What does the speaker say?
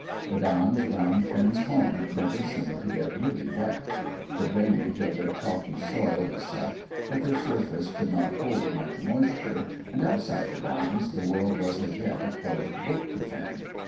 The Downs round Finn's home never seemed to get really wet. The drainage of their chalky soil was such that their surface could not hold much moisture, and outside the Downs the world was as yet a closed book to Finn.